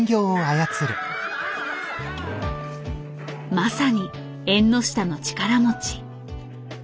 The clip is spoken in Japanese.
まさに縁の下の力持ち。